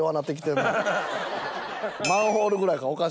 「マンホール」ぐらいから。